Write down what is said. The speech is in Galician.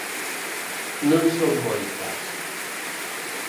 Non son moitas.